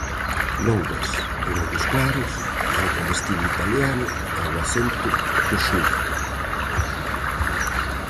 Louras, con ollos claros, roupa de estilo italiano e o acento do sur.